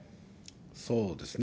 そうですね。